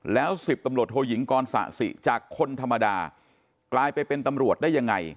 แล้ว๑๐ตำรวจโทยิงกรสะสิจากคนธรรมดากลายไปเป็นตำรวจได้ยังไง